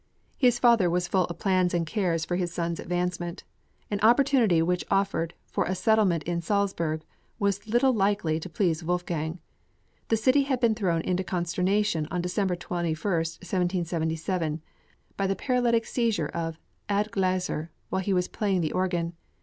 His father was full of plans and cares for his son's advancement. An opportunity which offered for a settlement in Salzburg was little likely to please Wolfgang. The city had been thrown into consternation on December 21, 1777, by the paralytic seizure of Adlgasser while he was playing the organ.